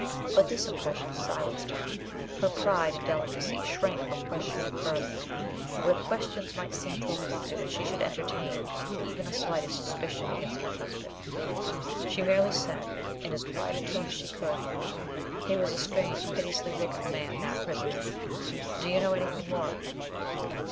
But this impression silenced her: her pride and delicacy shrank from questioning further, where questions might seem to imply that she could entertain even a slight suspicion against her husband. She merely said, in as quiet a tone as she could— "He was a strange piteous looking man, that prisoner. Do you know anything more of him?"